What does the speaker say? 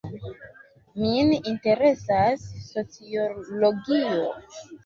Min interesas sociologio.